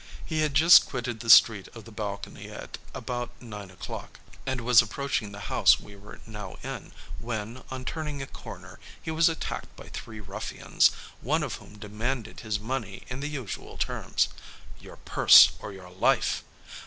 He had just quitted the street of the balcony at about nine o'clock, and was approaching the house we were now in, when, on turning a corner, he was attacked by three ruffians, one of whom demanded his money in the usual terms, "Your purse, or your life!"